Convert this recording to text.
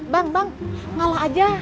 bang bang ngalah aja